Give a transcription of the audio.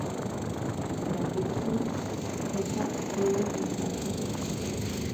Repetto, J. Todos los Santos Ed.